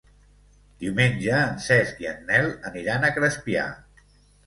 Diumenge en Cesc i en Nel aniran a Crespià.